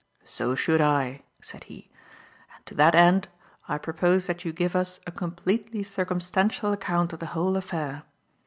"So should I," said he, "and to that end, I propose that you give us a completely circumstantial account of the whole affair.